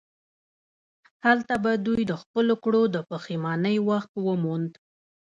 هلته به دوی د خپلو کړو د پښیمانۍ وخت موند.